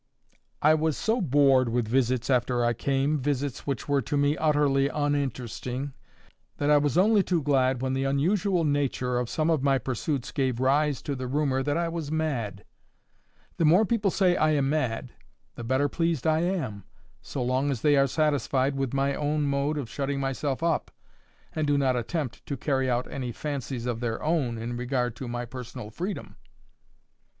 "I was so bored with visits after I came, visits which were to me utterly uninteresting, that I was only too glad when the unusual nature of some of my pursuits gave rise to the rumour that I was mad. The more people say I am mad, the better pleased I am, so long as they are satisfied with my own mode of shutting myself up, and do not attempt to carry out any fancies of their own in regard to my personal freedom."